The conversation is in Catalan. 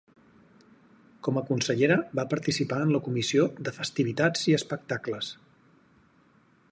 Com a consellera va participar en la comissió de Festivitats i Espectacles.